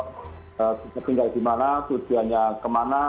kita tinggal di mana tujuannya kemana